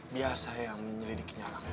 biasa yang menyelidiki nyalang